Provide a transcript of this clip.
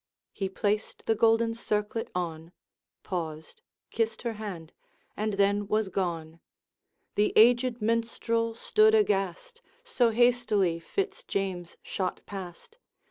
He placed the golden circlet on, Paused kissed her hand and then was gone. The aged Minstrel stood aghast, So hastily Fitz James shot past.